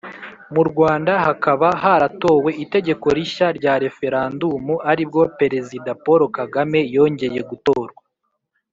Mu Rwanda hakaba haratowe itegeko rishya rya referandumu, aribwo Perezida Paul Kagame yongeye gutorwa.